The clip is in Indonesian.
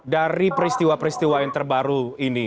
dari peristiwa peristiwa yang terbaru ini